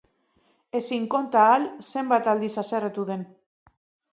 Ezin konta ahal zenbat aldiz haserretu den.